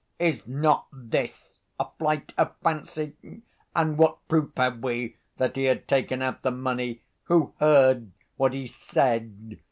Is not this a flight of fancy? And what proof have we that he had taken out the money? Who heard what he said?